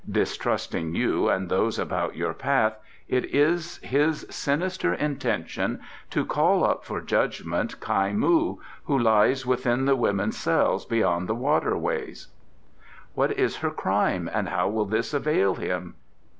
Distrusting you and those about your path, it is his sinister intention to call up for judgment Kai moo, who lies within the women's cell beyond the Water Way." "What is her crime and how will this avail him?"